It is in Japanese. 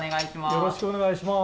よろしくお願いします。